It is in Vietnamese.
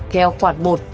theo khoảng một